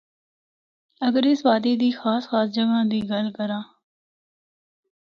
اگر اس وادی دی خاص خاص جگہاں دی گل کراں۔